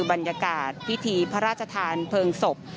บรรยากาศพิธีพระราชทานเพลิงศพ